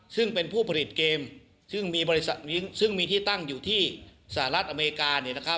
ซึ่งเป็นผู้ผลิตเกมซึ่งมีที่ตั้งอยู่ที่สหรัฐอเมริกา